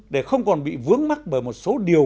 để không còn bị vướng mắt bởi một số điều